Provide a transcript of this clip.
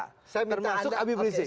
termasuk abib rizik